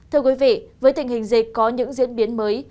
thưa quý vị với tình hình dịch có những diễn biến mới